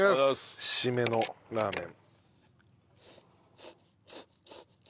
締めのラーメン。